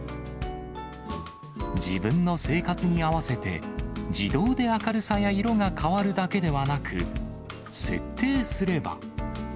自分の生活に合わせて、自動で明るさや色が変わるだけではなく、設定すれば。